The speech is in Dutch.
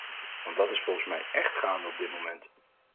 Want dat is volgens mij echt gaande op dit moment.